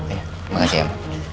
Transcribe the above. iya makasih em